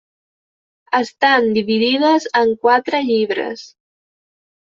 Estan dividides en quatre llibres.